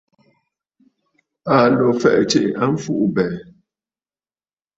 Aa lǒ fɛ̀ʼ̀ɛ̀ tsiʼi a mfuʼubɛ̀ɛ̀.